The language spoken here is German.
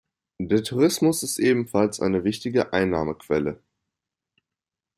Der Tourismus ist ebenfalls eine wichtige Einnahmequelle.